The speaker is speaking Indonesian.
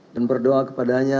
dan berdoa kepadanya